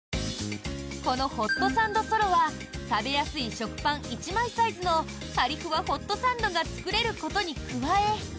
このホットサンドソロは食べやすい食パン１枚サイズのカリフワホットサンドが作れることに加え。